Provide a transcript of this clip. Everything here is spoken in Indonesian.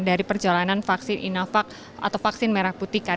dari perjalanan vaksin inovak atau vaksin merah putih